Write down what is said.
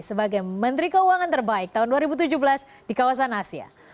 sebagai menteri keuangan terbaik tahun dua ribu tujuh belas di kawasan asia